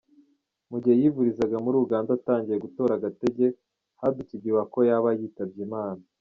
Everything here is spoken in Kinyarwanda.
Mu gihe yivurizaga muri Uganda atangiye gutora agatege, hadutse igihuha ko yaba yitabye Imana.